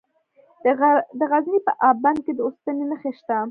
د غزني په اب بند کې د اوسپنې نښې شته.